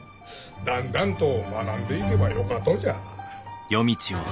だんだんと学んでいけばよかとじゃ。